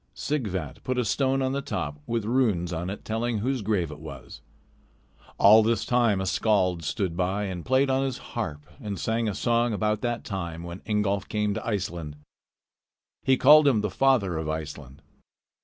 Sighvat put a stone on the top, with runes on it telling whose grave it was. All this time a skald stood by and played on his harp and sang a song about that time when Ingolf came to Iceland. He called him the father of Iceland.